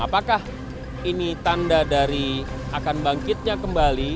apakah ini tanda dari akan bangkitnya kembali